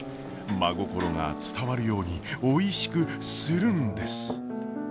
真心が伝わるようにおいしくするんです！